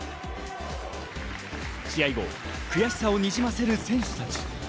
試合後、悔しさをにじませる選手たち。